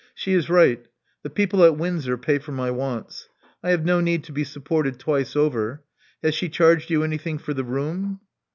She is right: the people at Windsor pay for my wants. I have no need to be supported twice over. Has she charged you anything for the room?